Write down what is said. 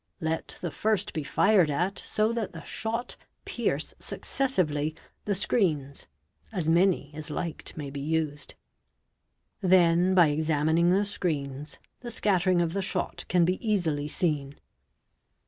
Let the first be fired at so that the shot pierce suc cessively the screens (as many as liked may be used). Then by examin ing the screens the scattering of the shot can be easily seen.